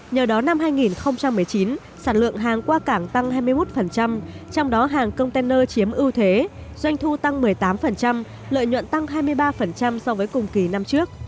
nhờ đó năm hai nghìn một mươi chín sản lượng hàng qua cảng tăng hai mươi một trong đó hàng container chiếm ưu thế doanh thu tăng một mươi tám lợi nhuận tăng hai mươi ba so với cùng kỳ năm trước